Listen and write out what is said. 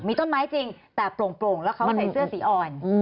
มีต้นไม้จริงแต่โปร่งแล้วเขาใส่เสื้อสีอ่อน